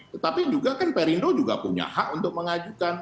tetapi juga kan perindo juga punya hak untuk mengajukan